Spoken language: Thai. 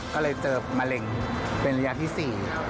ก็เลยเจอมะเร็งเป็นระยะที่๔